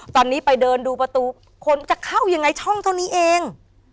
ตอนนี้ไปเดินดูประตูคนจะเข้ายังไงช่องเท่านี้เอง